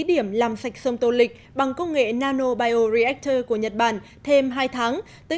điểm làm sạch sông tô lịch bằng công nghệ nanobioreactor của nhật bản thêm hai tháng tới